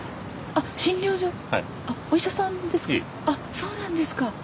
そうなんですか。